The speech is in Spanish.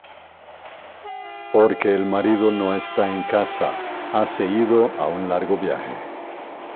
Porque el marido no está en casa, Hase ido á un largo viaje: